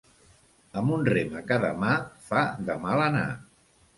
Amb un rem a cada mà fa de mal anar.